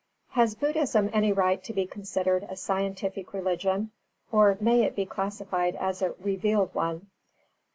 _Has Buddhism any right to be considered a scientific religion, or may it be classified as a "revealed" one?